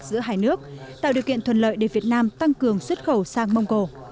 giữa hai nước tạo điều kiện thuận lợi để việt nam tăng cường xuất khẩu sang mông cổ